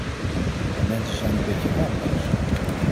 De mensen zijn een beetje radeloos.